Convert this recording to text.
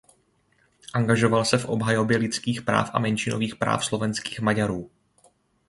Angažoval se v obhajobě lidských práv a menšinových práv slovenských Maďarů.